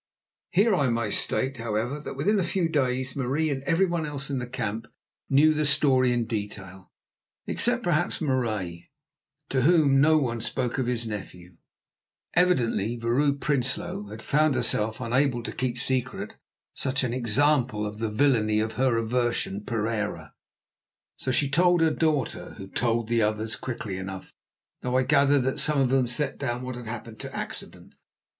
Here I may state, however, that within a few days Marie and everyone else in the camp knew the story in detail, except perhaps Marais, to whom no one spoke of his nephew. Evidently Vrouw Prinsloo had found herself unable to keep secret such an example of the villainy of her aversion, Pereira. So she told her daughter, who told the others quickly enough, though I gathered that some of them set down what had happened to accident.